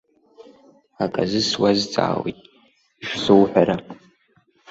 Аказы суазҵаауеит, ишсоуҳәара.